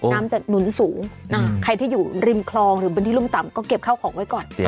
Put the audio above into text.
น้ำจะหนุนสูงใครที่อยู่ริมคลองหรือเป็นที่รุ่มต่ำก็เก็บข้าวของไว้ก่อน